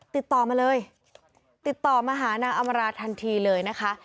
ติดต่อมาเลยติดต่อมาหานางอำมาราทันทีเลยนะคะ